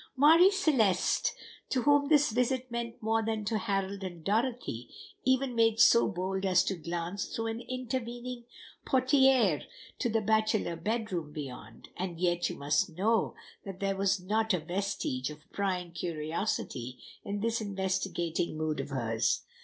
Marie Celeste, to whom this visit meant more than to Harold and Dorothy, even made so bold as to glance through an intervening portière to the bachelor bedroom beyond; and yet you must know that there was not a vestige of prying curiosity in this investigating mood of hers.